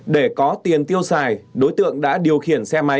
để có tiền tiêu xài đối tượng đã điều khiển xe máy